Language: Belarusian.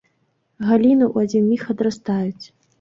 Галіны ў адзін міг адрастаюць.